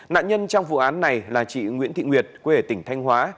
nạn nhân trong vụ án này là chị nguyễn thị nguyệt quê ở tỉnh thanh hóa